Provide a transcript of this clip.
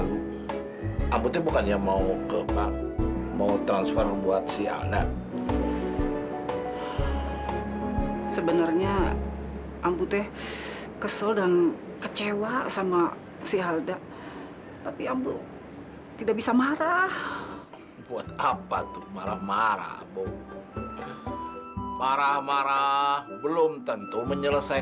sampai jumpa di video selanjutnya